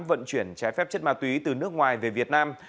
vận chuyển trái phép chất ma túy từ nước ngoài về việt nam